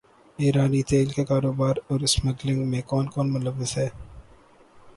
ایرانی تیل کے کاروبار اور اسمگلنگ میں کون کون ملوث ہے